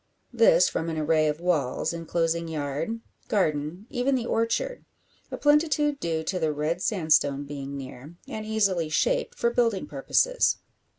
This from an array of walls, enclosing yard, garden, even the orchard a plenitude due to the red sandstone being near, and easily shaped for building purposes.